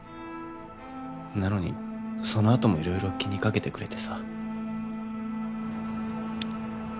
なのにその後もいろいろ気にかけてくれてさ。